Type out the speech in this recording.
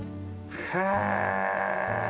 へえ！